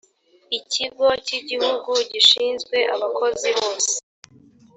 ikigo cy’ igihugu gishinzwe abakozi bose.